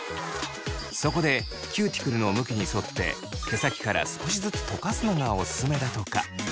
そこでキューティクルの向きに沿って毛先から少しずつとかすのがおすすめだとか。